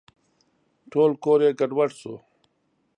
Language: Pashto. ټول کور یې ګډوډ شو .